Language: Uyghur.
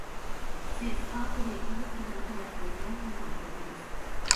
سىز ئاخىرى ئۈمىد بىلەن ھاياتقا جەڭ ئېلان قىلدىڭىز.